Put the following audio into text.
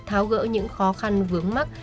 tháo gỡ những khó khăn vướng mắt